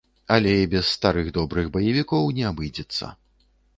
Але і без старых добрых баевікоў не абыдзецца.